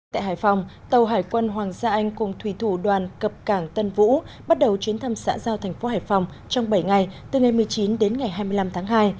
tại hải phòng tàu hải quân hoàng gia anh cùng thủy thủ đoàn cập cảng tân vũ bắt đầu chuyến thăm xã giao thành phố hải phòng trong bảy ngày từ ngày một mươi chín đến ngày hai mươi năm tháng hai